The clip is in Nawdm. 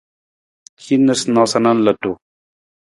Hin noosanoosa na ludu.